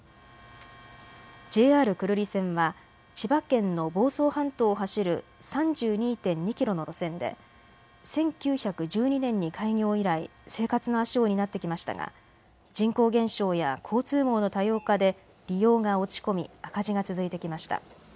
ＪＲ久留里線は千葉県の房総半島を走る３２．２キロの路線で１９１２年に開業以来生活の足を担ってきましたが人口減少や交通網の多様化で利用が落ち込み赤字が続いてきました。